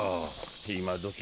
今どき